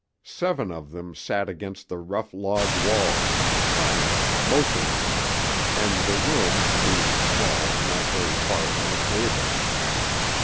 Seven of them sat against the rough log walls, silent, motionless, and the room being small, not very far from the table.